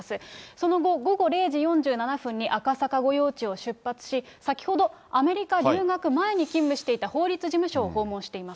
その後、午後０時４７分に赤坂御用地を出発し、先ほど、アメリカ留学前に勤務していた法律事務所を訪問しています。